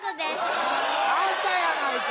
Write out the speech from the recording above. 絶対あんたやないか！